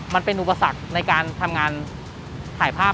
มันเป็นอุปสรรคในการทำงานถ่ายภาพ